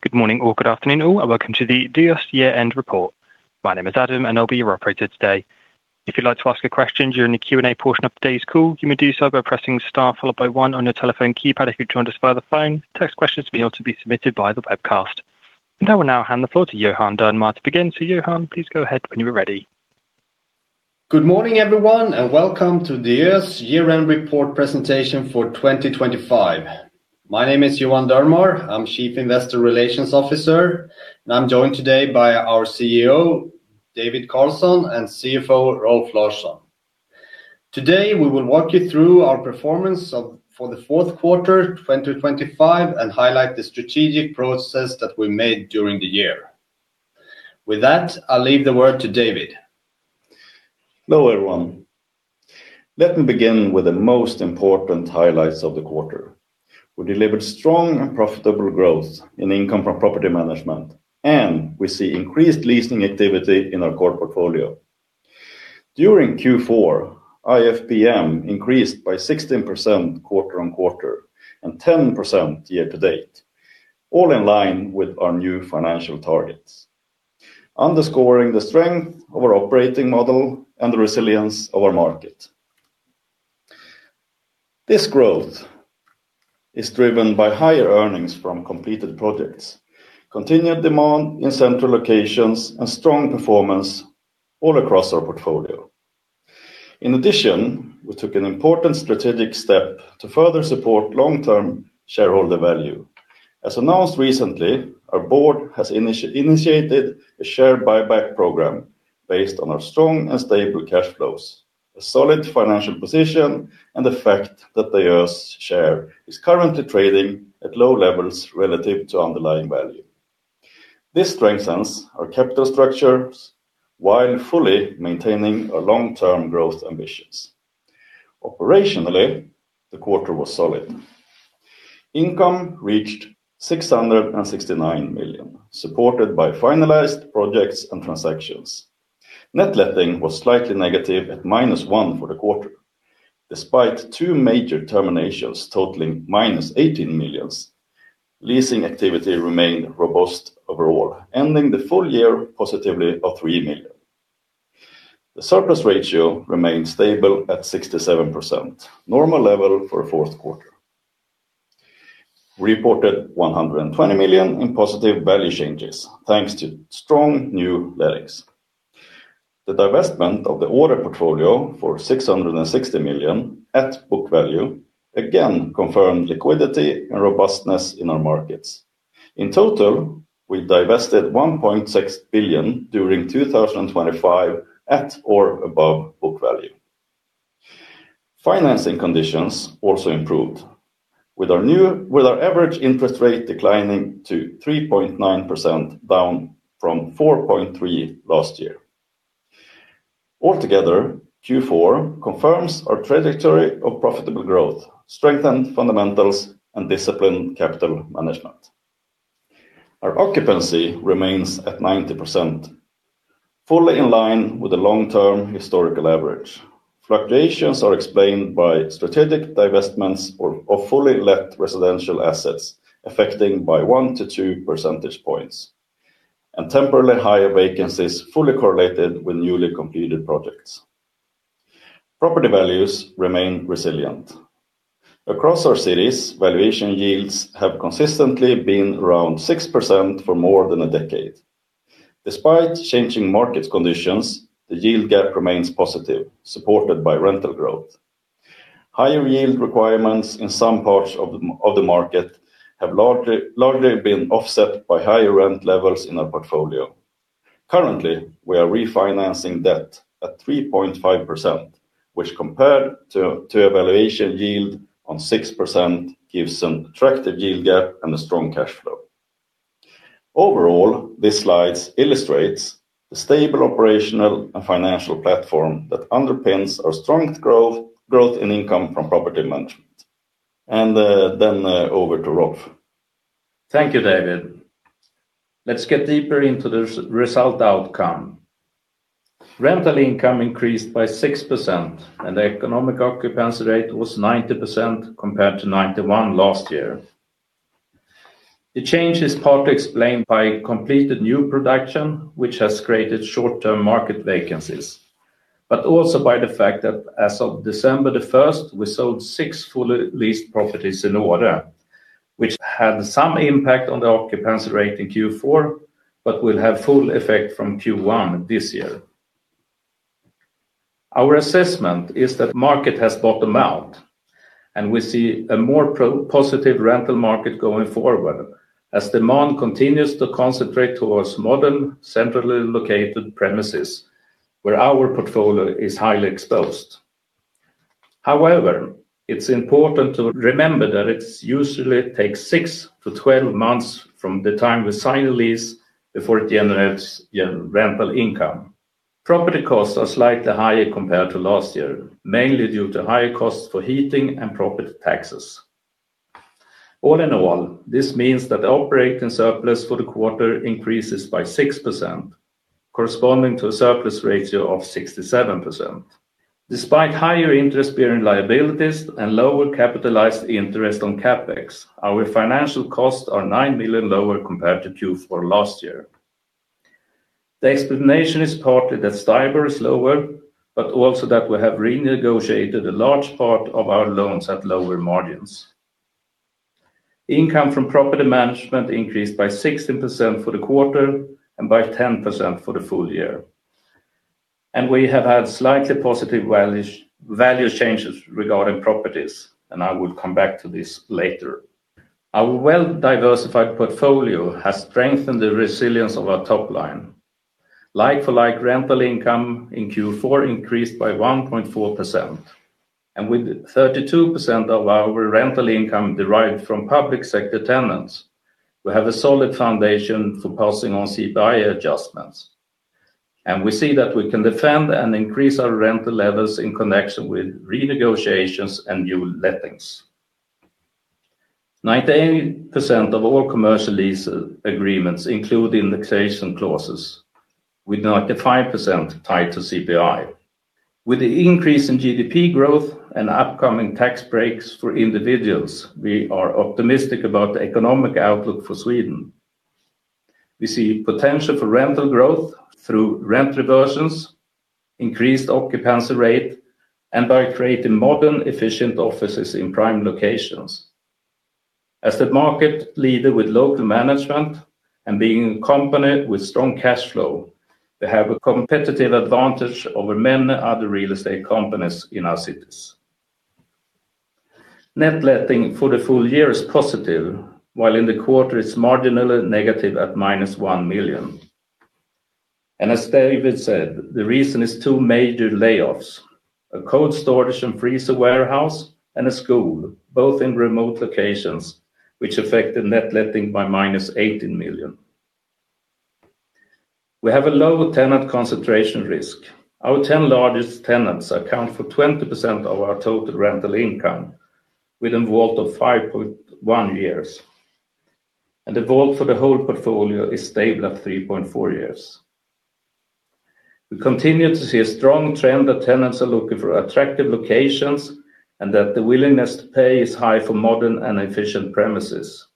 Good morning, all. Good afternoon, all. And welcome to the Diös year-end report. My name is Adam, and I'll be your operator today. If you'd like to ask a question during the Q&A portion of today's call, you may do so by pressing star followed by one on your telephone keypad if you've joined us via the phone. Text questions may also be submitted via the webcast. I will now hand the floor to Johan Dernmar to begin. Johan, please go ahead when you are ready. Good morning, everyone, and welcome to Diös year-end report presentation for 2025. My name is Johan Dernmar. I'm Chief Investor Relations Officer, and I'm joined today by our CEO, David Carlsson, and CFO, Rolf Larsson. Today, we will walk you through our performance of, for the Q4, 2025, and highlight the strategic process that we made during the year. With that, I'll leave the word to David. Hello, everyone. Let me begin with the most important highlights of the quarter. We delivered strong and profitable growth in income from property management, and we see increased leasing activity in our core portfolio. During Q4, IFPM increased by 16% quarter-on-quarter and 10% year to date, all in line with our new financial targets, underscoring the strength of our operating model and the resilience of our market. This growth is driven by higher earnings from completed projects, continued demand in central locations, and strong performance all across our portfolio. In addition, we took an important strategic step to further support long-term shareholder value. As announced recently, our board has initiated a share buyback program based on our strong and stable cash flows, a solid financial position, and the fact that the Diös share is currently trading at low levels relative to underlying value. This strengthens our capital structures while fully maintaining our long-term growth ambitions. Operationally, the quarter was solid. Income reached 669 million, supported by finalized projects and transactions. Net letting was slightly negative at -1 for the quarter. Despite two major terminations totaling -18 million, leasing activity remained robust overall, ending the full year positively of 3 million. The surplus ratio remained stable at 67%, normal level for a Q4. Reported 120 million in positive value changes, thanks to strong new lettings. The divestment of the Åre portfolio for 660 million at book value, again, confirmed liquidity and robustness in our markets. In total, we divested 1.6 billion during 2025 at or above book value. Financing conditions also improved, with our average interest rate declining to 3.9%, down from 4.3% last year. Altogether, Q4 confirms our trajectory of profitable growth, strengthened fundamentals, and disciplined capital management. Our occupancy remains at 90%, fully in line with the long-term historical average. Fluctuations are explained by strategic divestments or of fully let residential assets, affected by 1-2 percentage points, and temporarily higher vacancies fully correlated with newly completed projects. Property values remain resilient. Across our cities, valuation yields have consistently been around 6% for more than a decade. Despite changing market conditions, the yield gap remains positive, supported by rental growth. Higher yield requirements in some parts of the, of the market have largely, largely been offset by higher rent levels in our portfolio. Currently, we are refinancing debt at 3.5%, which, compared to, to a valuation yield on 6%, gives an attractive yield gap and a strong cash flow. Overall, this slides illustrates the stable operational and financial platform that underpins our strongest growth, growth in income from property management. Then, over to Rolf. Thank you, David. Let's get deeper into the result outcome. Rental income increased by 6%, and the economic occupancy rate was 90%, compared to 91 last year. The change is partly explained by completed new production, which has created short-term market vacancies, but also by the fact that as of December the first, we sold 6 fully leased properties in Åre, which had some impact on the occupancy rate in Q4, but will have full effect from Q1 this year. Our assessment is that market has bottomed out, and we see a more positive rental market going forward as demand continues to concentrate towards modern, centrally located premises where our portfolio is highly exposed. However, it's important to remember that it usually takes 6 to 12 months from the time we sign a lease before it generates your rental income. Property costs are slightly higher compared to last year, mainly due to higher costs for heating and property taxes. All in all, this means that the operating surplus for the quarter increases by 6%... corresponding to a surplus ratio of 67%. Despite higher interest-bearing liabilities and lower capitalized interest on CapEx, our financial costs are 9 million lower compared to Q4 last year. The explanation is partly that Stibor is lower, but also that we have renegotiated a large part of our loans at lower margins. Income from property management increased by 16% for the quarter and by 10% for the full year. We have had slightly positive value changes regarding properties, and I will come back to this later. Our well-diversified portfolio has strengthened the resilience of our top line. Like for like, rental income in Q4 increased by 1.4%, and with 32% of our rental income derived from public sector tenants, we have a solid foundation for passing on CPI adjustments. We see that we can defend and increase our rental levels in connection with renegotiations and new lettings. 98% of all commercial lease agreements include indexation clauses, with 95% tied to CPI. With the increase in GDP growth and upcoming tax breaks for individuals, we are optimistic about the economic outlook for Sweden. We see potential for rental growth through rent reversions, increased occupancy rate, and by creating modern, efficient offices in prime locations. As the market leader with local management and being a company with strong cash flow, we have a competitive advantage over many other real estate companies in our cities. Net letting for the full year is positive, while in the quarter, it's marginally negative at -1 million. As David said, the reason is two major layoffs, a cold storage and freezer warehouse, and a school, both in remote locations, which affected net letting by -18 million. We have a low tenant concentration risk. Our 10 largest tenants account for 20% of our total rental income with a WALT of 5.1 years, and the WALT for the whole portfolio is stable 3.4 years. We continue to see a strong trend that tenants are looking for attractive locations, and that the willingness to pay is high for modern and efficient premises.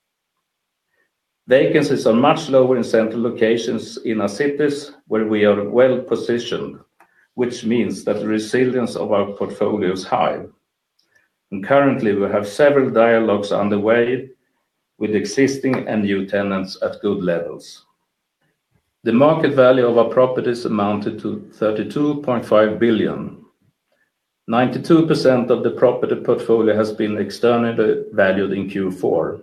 Vacancies are much lower in central locations in our cities where we are well-positioned, which means that the resilience of our portfolio is high. Currently, we have several dialogues underway with existing and new tenants at good levels. The market value of our properties amounted to 32.5 billion. 92% of the property portfolio has been externally valued in Q4.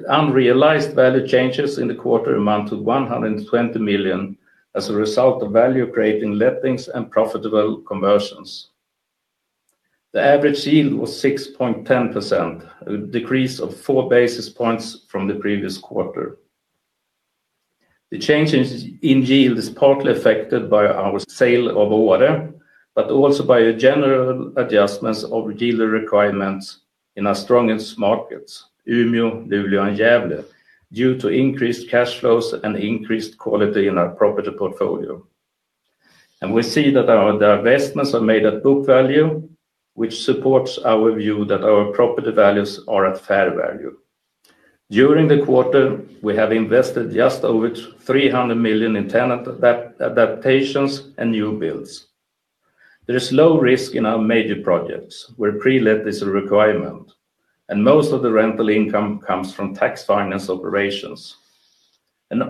The unrealized value changes in the quarter amount to 120 million as a result of value creating lettings and profitable conversions. The average yield was 6.10%, a decrease of 4 basis points from the previous quarter. The change in yield is partly affected by our sale of Åre, but also by a general adjustments of yield requirements in our strongest markets, Umeå, Luleå, and Gävle, due to increased cash flows and increased quality in our property portfolio. We see that our divestments are made at book value, which supports our view that our property values are at fair value. During the quarter, we have invested just over 300 million in tenant adaptations and new builds. There is low risk in our major projects, where pre-let is a requirement, and most of the rental income comes from tax finance operations.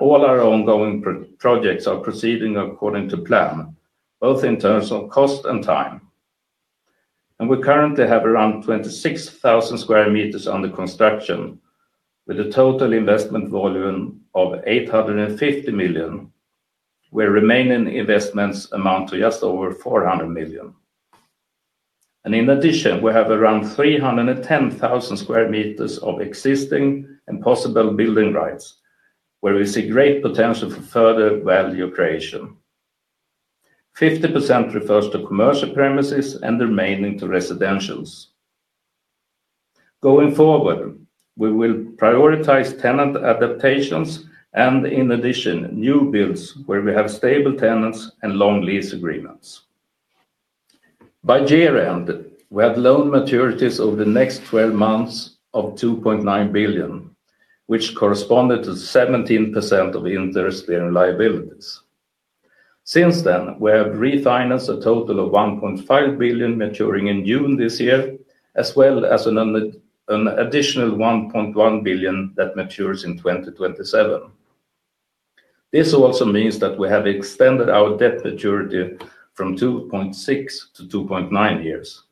All our ongoing projects are proceeding according to plan, both in terms of cost and time. We currently have around 26,000 square meters under construction, with a total investment volume of 850 million, where remaining investments amount to just over 400 million. In addition, we have around 310,000 square meters of existing and possible building rights, where we see great potential for further value creation. 50% refers to commercial premises and the remaining to residentials. Going forward, we will prioritize tenant adaptations and, in addition, new builds where we have stable tenants and long lease agreements. By year-end, we had loan maturities over the next twelve months of 2.9 billion, which corresponded to 17% of interest-bearing liabilities. Since then, we have refinanced a total of 1.5 billion maturing in June this year, as well as an additional 1.1 billion that matures in 2027. This also means that we have extended our debt maturity from 2.6 to 2.9 years,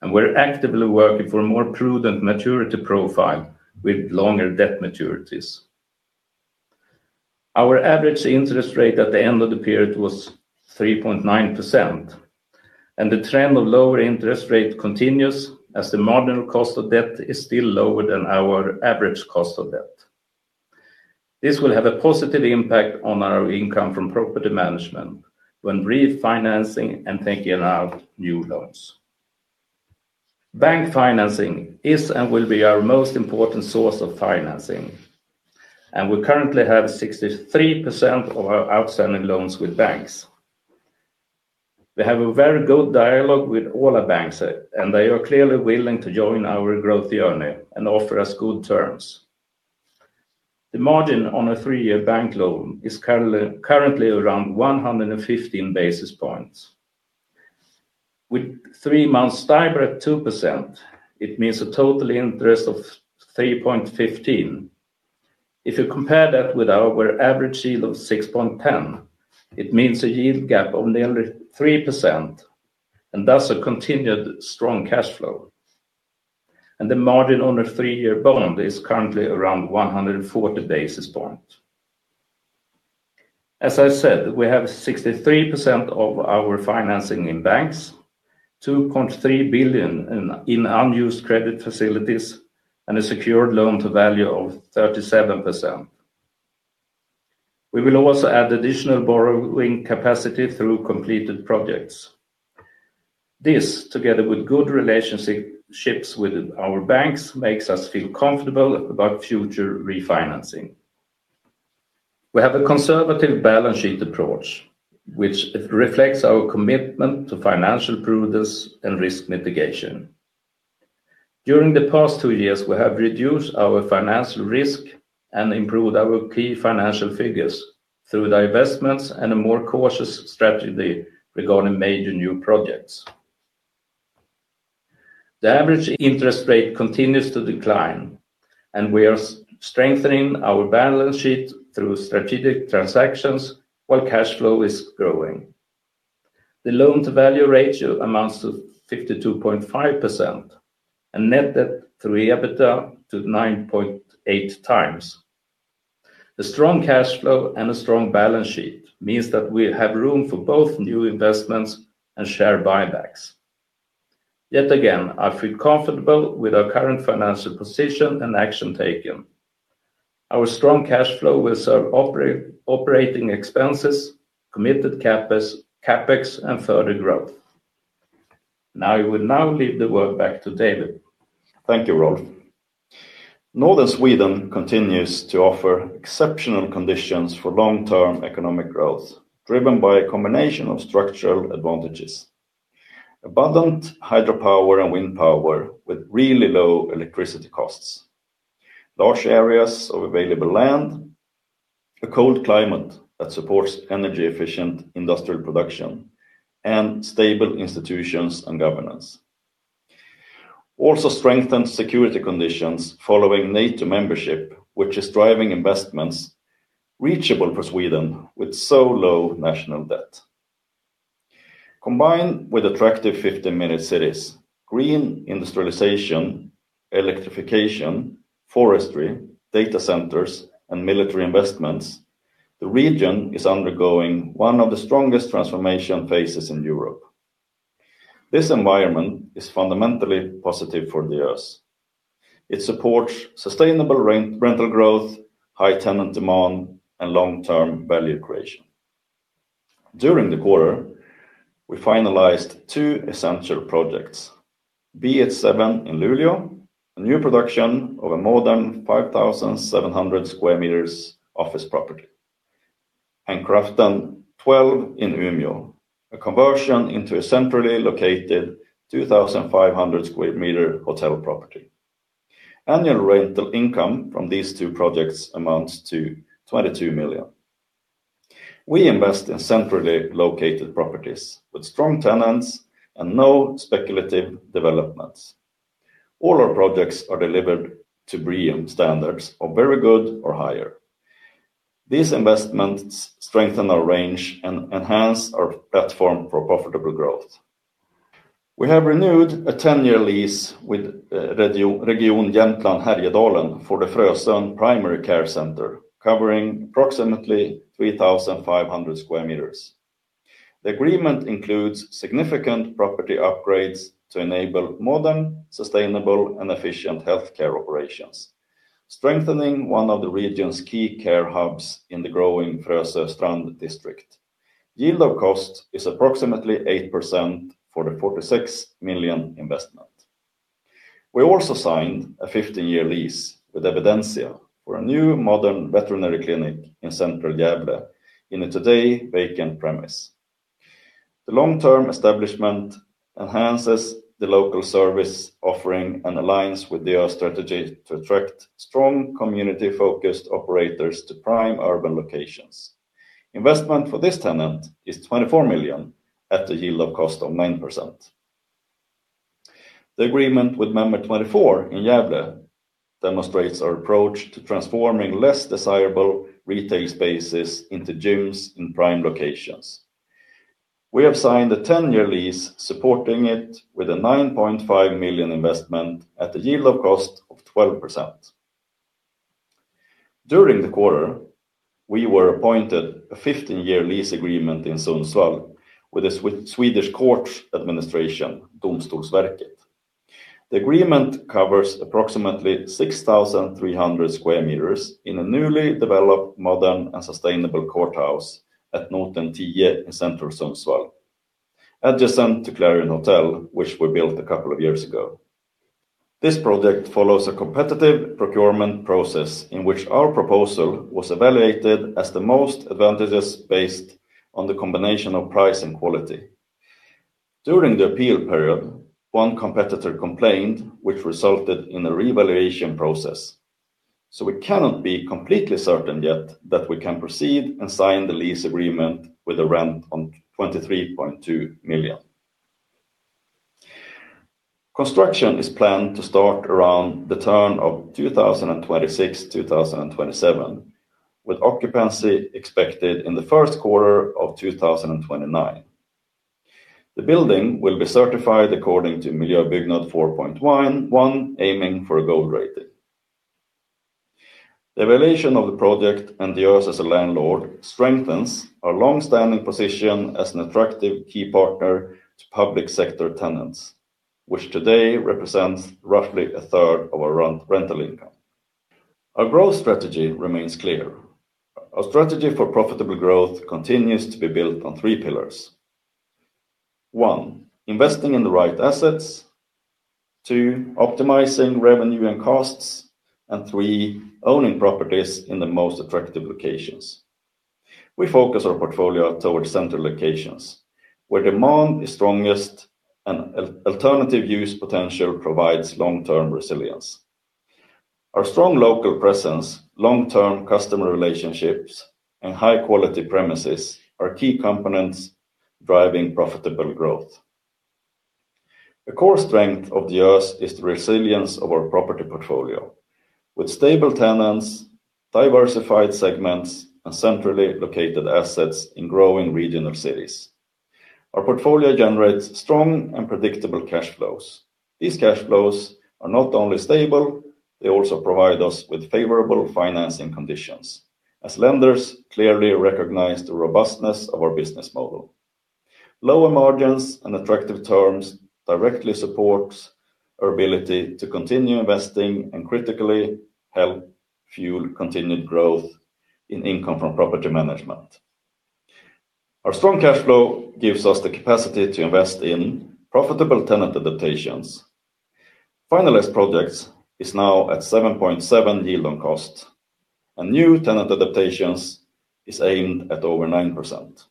and we're actively working for a more prudent maturity profile with longer debt maturities. Our average interest rate at the end of the period was 3.9%, and the trend of lower interest rate continues as the marginal cost of debt is still lower than our average cost of debt. This will have a positive impact on our income from property management when refinancing and taking out new loans… Bank financing is and will be our most important source of financing, and we currently have 63% of our outstanding loans with banks. We have a very good dialogue with all our banks, and they are clearly willing to join our growth journey and offer us good terms. The margin on a three-year bank loan is currently around 115 basis points. With three-month Stibor at 2%, it means a total interest of 3.15%. If you compare that with our average yield of 6.10%, it means a yield gap of nearly 3%, and thus a continued strong cash flow. And the margin on a three-year bond is currently around 140 basis points. As I said, we have 63% of our financing in banks, 2.3 billion in unused credit facilities, and a secured loan-to-value of 37%. We will also add additional borrowing capacity through completed projects. This, together with good relationships with our banks, makes us feel comfortable about future refinancing. We have a conservative balance sheet approach, which reflects our commitment to financial prudence and risk mitigation. During the past two years, we have reduced our financial risk and improved our key financial figures through the investments and a more cautious strategy regarding major new projects. The average interest rate continues to decline, and we are strengthening our balance sheet through strategic transactions while cash flow is growing. The loan-to-value ratio amounts to 52.5% and net debt to EBITDA to 9.8 times. The strong cash flow and a strong balance sheet means that we have room for both new investments and share buybacks. Yet again, I feel comfortable with our current financial position and action taken. Our strong cash flow will serve operating expenses, committed CapEx, and further growth. Now, I will now leave the word back to David. Thank you, Rolf. Northern Sweden continues to offer exceptional conditions for long-term economic growth, driven by a combination of structural advantages: abundant hydropower and wind power with really low electricity costs, large areas of available land, a cold climate that supports energy-efficient industrial production, and stable institutions and governance. Also, strengthened security conditions following NATO membership, which is driving investments reachable for Sweden with so low national debt. Combined with attractive 15-minute cities, green industrialization, electrification, forestry, data centers, and military investments, the region is undergoing one of the strongest transformation phases in Europe. This environment is fundamentally positive for us. It supports sustainable rental growth, high tenant demand, and long-term value creation. During the quarter, we finalized two essential projects: Biet 7 in Luleå, a new production of a modern 5,700 square meters office property, and Kraften 12 in Umeå, a conversion into a centrally located 2,500 square meter hotel property. Annual rental income from these two projects amounts to 22 million. We invest in centrally located properties with strong tenants and no speculative developments. All our projects are delivered to BREEAM standards of Very Good or higher. These investments strengthen our range and enhance our platform for profitable growth. We have renewed a 10-year lease with Region Jämtland Härjedalen for the Frösö Hälsocentral, covering approximately 3,500 square meters. The agreement includes significant property upgrades to enable modern, sustainable, and efficient healthcare operations, strengthening one of the region's key care hubs in the growing Frösö Strand district. Yield on cost is approximately 8% for the 46 million investment. We also signed a 15-year lease with Evidensia for a new modern veterinary clinic in central Gävle in a today vacant premise. The long-term establishment enhances the local service offering and aligns with their strategy to attract strong, community-focused operators to prime urban locations. Investment for this tenant is 24 million at a yield on cost of 9%. The agreement with Member 24 in Gävle demonstrates our approach to transforming less desirable retail spaces into gyms in prime locations. We have signed a 10-year lease supporting it with a 9.5 million investment at a yield on cost of 12%. During the quarter, we were appointed a 15-year lease agreement in Sundsvall with the Swedish Courts Administration, Domstolsverket. The agreement covers approximately 6,300 square meters in a newly developed, modern, and sustainable courthouse at Norden 10 in central Sundsvall, adjacent to Clarion Hotel, which we built a couple of years ago.... This project follows a competitive procurement process, in which our proposal was evaluated as the most advantageous based on the combination of price and quality. During the appeal period, one competitor complained, which resulted in a reevaluation process. So we cannot be completely certain yet that we can proceed and sign the lease agreement with a rent on 23.2 million. Construction is planned to start around the turn of 2026, 2027, with occupancy expected in the Q1 of 2029. The building will be certified according to Miljöbyggnad 4.1, aiming for a Gold rating. The evaluation of the project and Diös as a landlord strengthens our long-standing position as an attractive key partner to public sector tenants, which today represents roughly a third of our rent, rental income. Our growth strategy remains clear. Our strategy for profitable growth continues to be built on three pillars. One, investing in the right assets, two, optimizing revenue and costs, and three, owning properties in the most attractive locations. We focus our portfolio towards central locations, where demand is strongest and alternative use potential provides long-term resilience. Our strong local presence, long-term customer relationships, and high-quality premises are key components driving profitable growth. A core strength of Diös is the resilience of our property portfolio. With stable tenants, diversified segments, and centrally located assets in growing regional cities, our portfolio generates strong and predictable cash flows. These cash flows are not only stable, they also provide us with favorable financing conditions, as lenders clearly recognize the robustness of our business model. Lower margins and attractive terms directly supports our ability to continue investing, and critically, help fuel continued growth in income from property management. Our strong cash flow gives us the capacity to invest in profitable tenant adaptations. Finalized projects is now at 7.7 yield on cost, and new tenant adaptations is aimed at over 9%.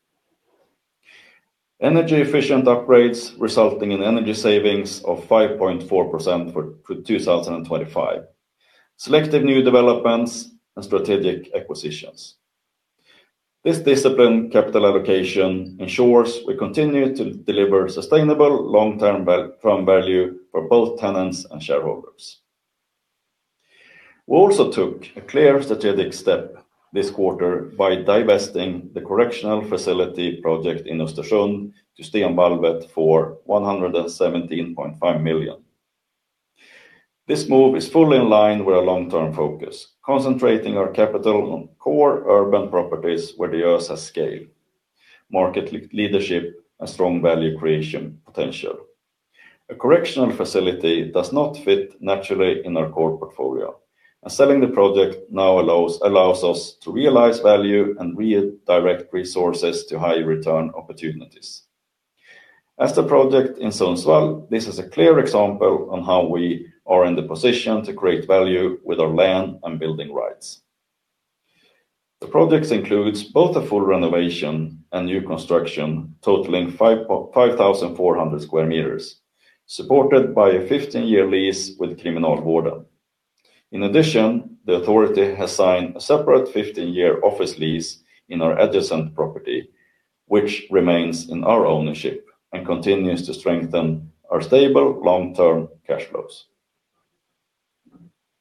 Energy-efficient upgrades resulting in energy savings of 5.4% for 2025, selective new developments, and strategic acquisitions. This disciplined capital allocation ensures we continue to deliver sustainable long-term value for both tenants and shareholders. We also took a clear strategic step this quarter by divesting the correctional facility project in Östersund to Stenvalvet for 117.5 million. This move is fully in line with our long-term focus, concentrating our capital on core urban properties where Diös has scale, market leadership, and strong value creation potential. A correctional facility does not fit naturally in our core portfolio, and selling the project now allows us to realize value and redirect resources to high-return opportunities. As the project in Sundsvall, this is a clear example on how we are in the position to create value with our land and building rights. The projects includes both a full renovation and new construction, totaling 5,400 square meters, supported by a 15-year lease with Kriminalvården. In addition, the authority has signed a separate 15-year office lease in our adjacent property, which remains in our ownership and continues to strengthen our stable long-term cash flows.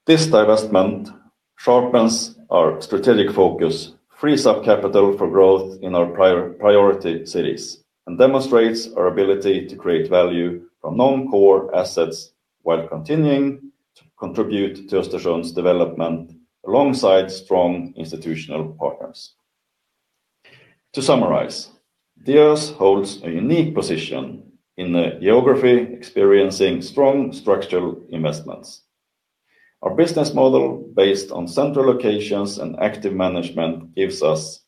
This divestment sharpens our strategic focus, frees up capital for growth in our priority cities, and demonstrates our ability to create value from non-core assets while continuing to contribute to Östersund's development alongside strong institutional partners. To summarize, Diös holds a unique position in the geography, experiencing strong structural investments. Our business model, based on central locations and active management, gives us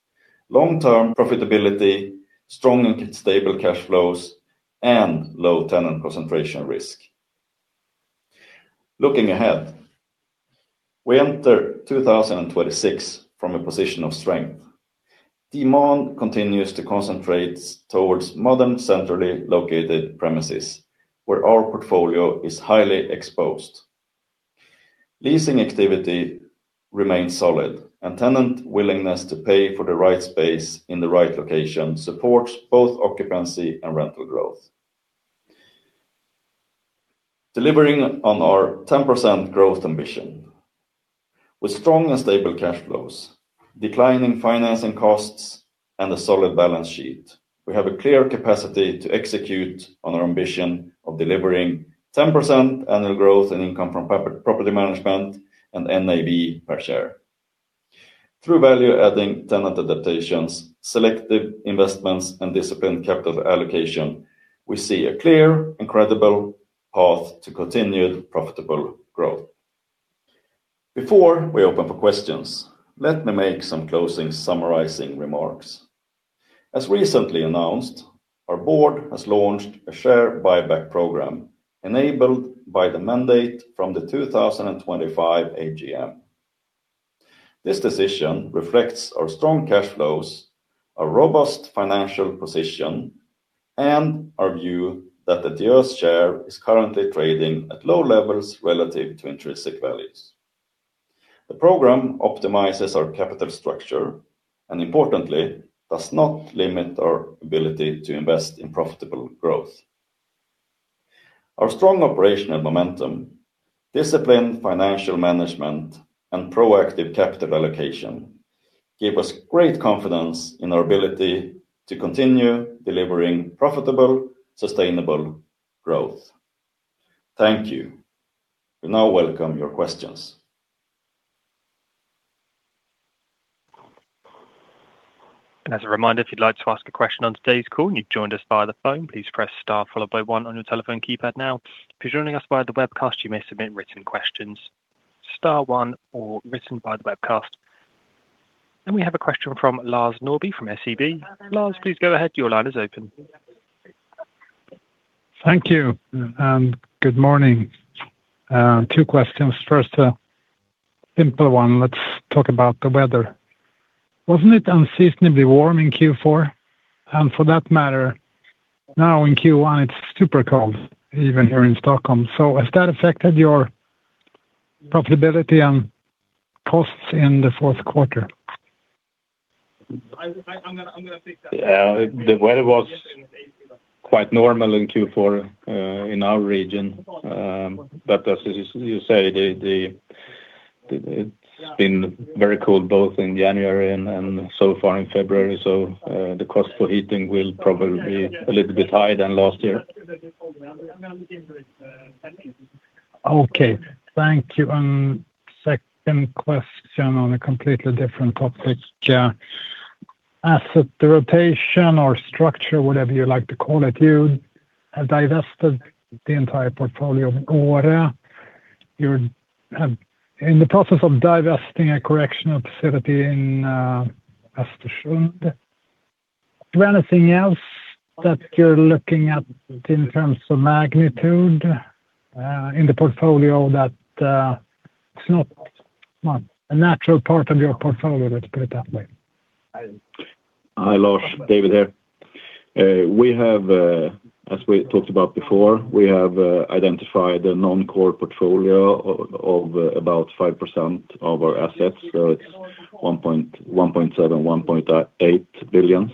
long-term profitability, strong and stable cash flows, and low tenant concentration risk. Looking ahead, we enter 2026 from a position of strength. Demand continues to concentrate towards modern, centrally located premises, where our portfolio is highly exposed. Leasing activity remains solid, and tenant willingness to pay for the right space in the right location supports both occupancy and rental growth. Delivering on our 10% growth ambition. With strong and stable cash flows, declining financing costs, and a solid balance sheet, we have a clear capacity to execute on our ambition of delivering 10% annual growth in income from property management and NAV per share. Through value-adding tenant adaptations, selective investments, and disciplined capital allocation, we see a clear and credible path to continued profitable growth.... Before we open for questions, let me make some closing summarizing remarks. As recently announced, our board has launched a share buyback program enabled by the mandate from the 2025 AGM. This decision reflects our strong cash flows, a robust financial position, and our view that the Diös's share is currently trading at low levels relative to intrinsic values. The program optimizes our capital structure, and importantly, does not limit our ability to invest in profitable growth. Our strong operational momentum, disciplined financial management, and proactive capital allocation, give us great confidence in our ability to continue delivering profitable, sustainable growth. Thank you. We now welcome your questions. As a reminder, if you'd like to ask a question on today's call and you've joined us via the phone, please press star followed by one on your telephone keypad now. If you're joining us via the webcast, you may submit written questions, star one or written by the webcast. We have a question from Lars Norrby, from SEB. Lars, please go ahead. Your line is open. Thank you, and good morning. Two questions. First, a simple one. Let's talk about the weather. Wasn't it unseasonably warm in Q4? And for that matter, now in Q1, it's super cold, even here in Stockholm. So has that affected your profitability and costs in the Q4? I'm gonna fix that. The weather was quite normal in Q4 in our region. But as you say, it's been very cold, both in January and so far in February, so the cost for heating will probably be a little bit higher than last year. Okay, thank you. And second question on a completely different topic. Asset, the rotation or structure, whatever you like to call it, you have divested the entire portfolio of Åre. You're in the process of divesting a correctional facility in Östersund. Do you have anything else that you're looking at in terms of magnitude in the portfolio that is not, well, a natural part of your portfolio, let's put it that way? Hi, Lars. David here. We have, as we talked about before, we have identified a non-core portfolio of about 5% of our assets. So it's 1.7 billion-1.8 billion,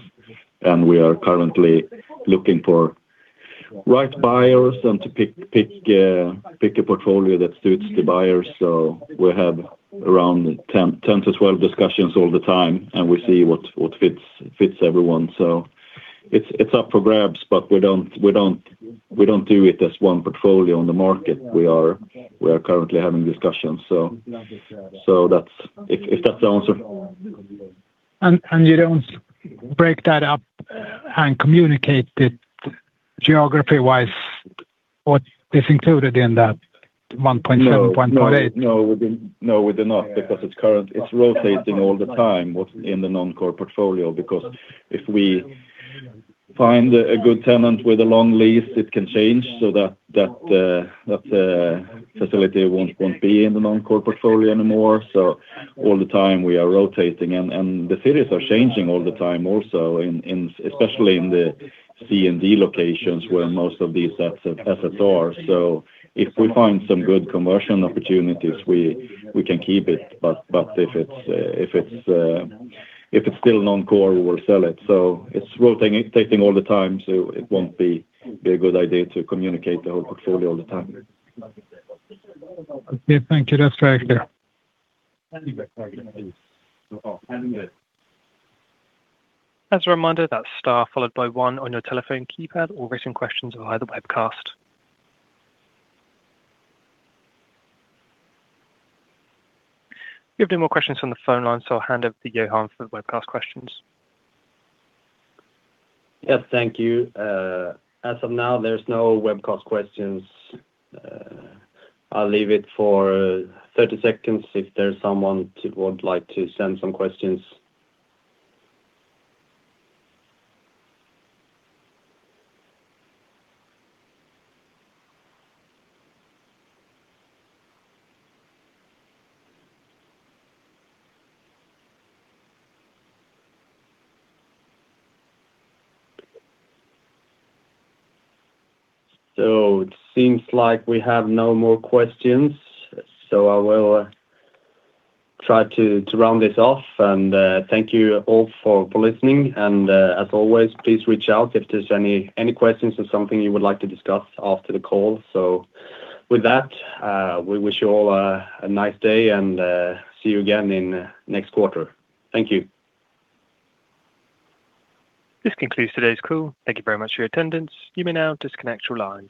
and we are currently looking for right buyers and to pick a portfolio that suits the buyers. So we have around 10-12 discussions all the time, and we see what fits everyone. So it's up for grabs, but we don't do it as one portfolio on the market. We are currently having discussions, so that's... If that's the answer. You don't break that up, and communicate it geography-wise, what is included in that 1.7, 0.8? No, we do not, because it's current. It's rotating all the time, what's in the non-core portfolio, because if we find a good tenant with a long lease, it can change so that that facility won't be in the non-core portfolio anymore. So all the time, we are rotating, and the cities are changing all the time also, especially in the C and D locations where most of these assets are. So if we find some good conversion opportunities, we can keep it, but if it's still non-core, we'll sell it. So it's rotating all the time, so it won't be a good idea to communicate the whole portfolio all the time. Okay, thank you. That's very clear. As a reminder, that's star followed by one on your telephone keypad or written questions via the webcast. We have no more questions on the phone line, so I'll hand over to Johan for the webcast questions. Yes, thank you. As of now, there's no webcast questions. I'll leave it for 30 seconds if there's someone who would like to send some questions. So it seems like we have no more questions, so I will try to round this off, and thank you all for listening. And, as always, please reach out if there's any questions or something you would like to discuss after the call. So with that, we wish you all a nice day, and see you again in next quarter. Thank you. This concludes today's call. Thank you very much for your attendance. You may now disconnect your line.